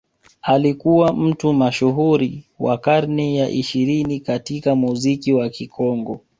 Alikuwa mtu mashuhuri wa karne ya ishirini katika muziki wa Kikongo